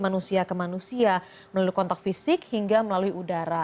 manusia ke manusia melalui kontak fisik hingga melalui udara